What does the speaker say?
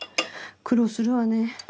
苦労するわね。